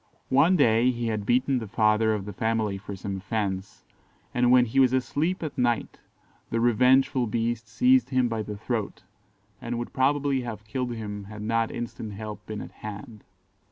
"One day he had beaten the father of the family for some offence, and when he was asleep at night, the revengeful beast seized him by the throat, and would probably have killed him had not instant help been at hand.